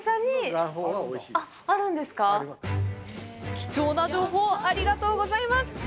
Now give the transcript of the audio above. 貴重な情報、ありがとうございます！